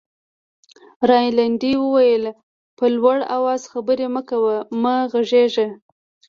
رینالډي وویل: په لوړ آواز خبرې مه کوه، مه غږېږه.